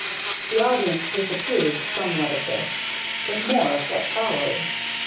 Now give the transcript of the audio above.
The audience disapproved somewhat of this, but more of what followed.